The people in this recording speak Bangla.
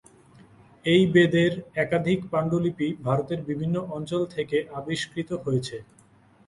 এই বেদের একাধিক পাণ্ডুলিপি ভারতের বিভিন্ন অঞ্চল থেকে আবিষ্কৃত হয়েছে।